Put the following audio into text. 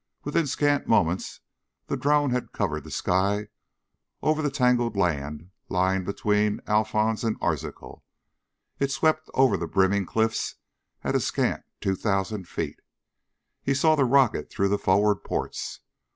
_ Within scant moments the drone had covered the sky over the tangled land lying between Alphons and Arzachel. It swept over the brimming cliffs at a scant two thousand feet. He saw the rocket through the forward ports.